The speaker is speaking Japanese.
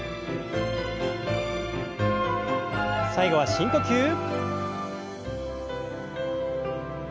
最後は深呼吸。